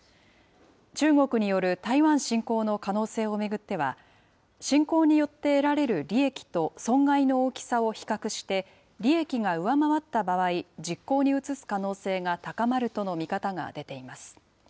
中国による台湾侵攻の可能性を巡っては、侵攻によって得られる利益と損害の大きさを比較して、利益が上回った場合、実行に移す可能性が高まるとの見方が出ています。